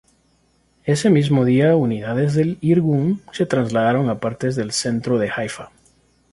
Ese mismo día unidades del Irgún se trasladaron a partes del centro de Haifa.